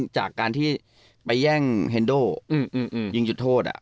จากการที่ไปแย่งเฮนโดยิงจุดโทษ